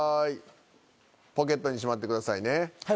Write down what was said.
ポケットにしまってくださいね。